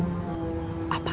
mimin takut apa marah